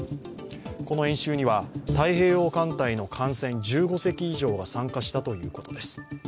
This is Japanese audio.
この演習には、太平洋艦隊の艦船１５隻以上が参加したということです。